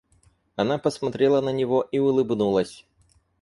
Она посмотрела на него и улыбнулась.